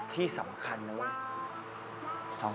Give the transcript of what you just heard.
ที่สำคัญมั้ย